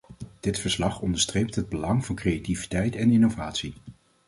Dit verslag onderstreept het belang van creativiteit en innovatie.